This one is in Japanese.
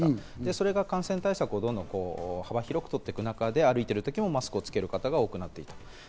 それが感染対策をどんどん幅広くとっていく中で、歩いてるときもマスクをつける方が多くなっていった。